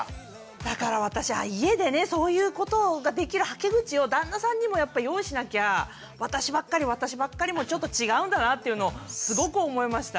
だから私は家でねそういうことができるはけ口を旦那さんにもやっぱ用意しなきゃ私ばっかり私ばっかりもちょっと違うんだなっていうのをすごく思いました。